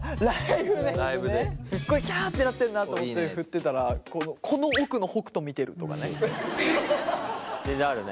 すっごい「キャ！」ってなってんなと思って振ってたらこの奥の北斗見てるとかね。